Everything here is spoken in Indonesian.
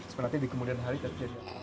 seperti di kemudian hari terjadi